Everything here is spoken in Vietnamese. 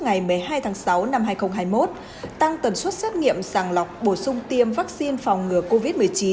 ngày một mươi hai tháng sáu năm hai nghìn hai mươi một tăng tần suất xét nghiệm sàng lọc bổ sung tiêm vaccine phòng ngừa covid một mươi chín